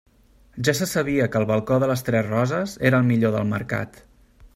Ja se sabia que el balcó de Les Tres Roses era el millor del Mercat.